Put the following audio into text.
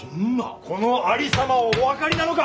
このありさまをお分かりなのか！